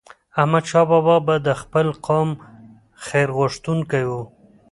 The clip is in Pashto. احمدشاه بابا به د خپل قوم خیرغوښتونکی و.